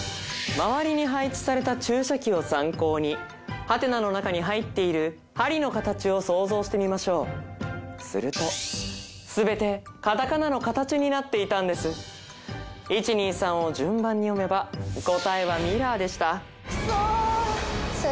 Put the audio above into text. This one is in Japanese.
周りに配置された注射器を参考にハテナの中に入っている針の形を想像してみましょうすると全てカタカナの形になっていたんです１２３を順番に読めば答えはミラーでしたクソーさ